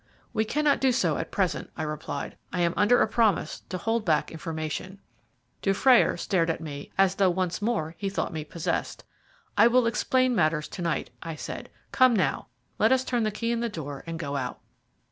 "We cannot do so at present," I replied. "I am under a promise to hold back information." Dufrayer stared at me as though once more he thought me possessed. "I will explain matters to night," I said. "Come now, let us turn the key in the door and go out."